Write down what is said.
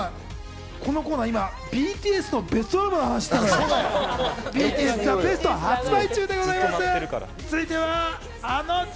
このコーナー、今、ＢＴＳのベストアルバムの話してるのよ。